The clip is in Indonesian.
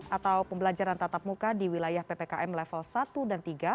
atau pembelajaran tatap muka di wilayah ppkm level satu dan tiga